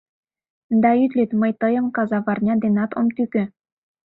Да ит лӱд, мый тыйым казаварня денат ом тӱкӧ.